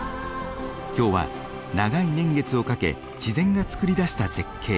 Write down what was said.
今日は長い年月をかけ自然がつくり出した絶景